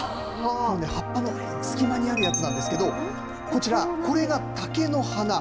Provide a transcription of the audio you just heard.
葉っぱの隙間にあるやつなんですけど、こちら、これが竹の花。